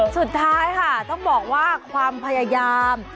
สุดท้ายค่ะต้องบอกว่าความพยายาม